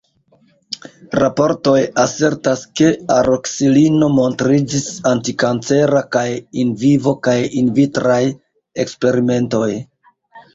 Raportoj asertas ke oroksilino montriĝis antikancera kaj in vivo kaj in vitraj eksperimentoj.